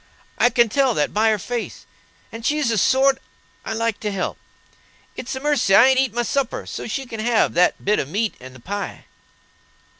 I can tell that by her face, and she's the sort I like to help. It's a mercy I ain't eat my supper, so she can have that bit of meat and the pie."